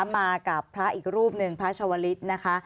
มากับพระอีกรูปหนึ่งพระชาวลิศนะคะ